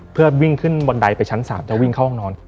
เพื่อวิ่งขึ้นบันไดไปชั้น๓จะวิ่งเข้าห้องนอน